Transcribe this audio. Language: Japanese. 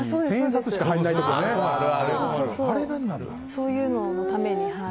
そういうののために。